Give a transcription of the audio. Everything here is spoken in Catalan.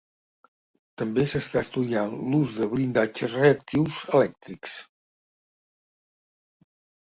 També s'està estudiant l'ús de blindatges reactius elèctrics.